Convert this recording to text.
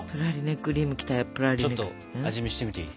ちょっと味見してみていい？